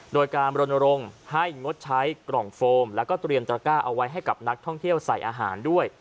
โดยการบรณรงค์ให้งดใช้กล่องโฟมแล้วก็เตรียมตระก้าเอาไว้ให้กับนักท่องเที่ยวใส่อาหารด้วย